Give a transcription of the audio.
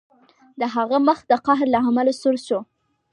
د هغه مخ د قهر له امله سور شو